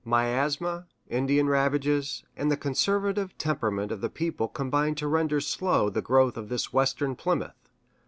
Miasma, Indian ravages, and the conservative temperament of the people combined to render slow the growth of this Western Plymouth.